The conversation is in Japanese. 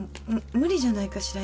無理じゃないかしら。